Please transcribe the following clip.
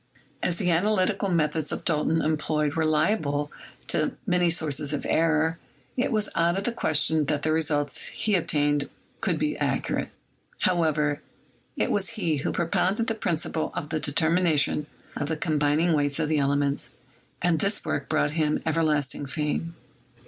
As the analytical methods Dalton employed were liable to many sources of error, it was out of the question that the results he obtained could be accurate. However, he it was who propounded the principle of the determination of the combining weights of the elements, and this work brought him everlasting fame.